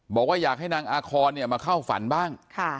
บอกว่าอยากให้นางอาคอนมาเข้าฝันบ้าง